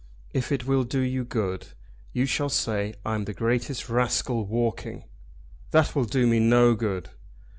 If it will do you good, you shall say I'm the greatest rascal walking." "That will do me no good."